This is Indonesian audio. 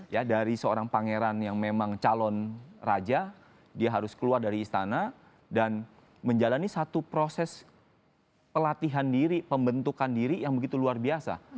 ya dari seorang pangeran yang memang calon raja dia harus keluar dari istana dan menjalani satu proses pelatihan diri pembentukan diri yang begitu luar biasa